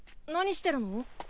何してるの？